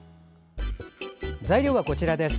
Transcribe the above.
材料はこちらです。